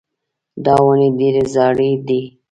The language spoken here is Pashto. دا ونې ډېرې زاړې دي.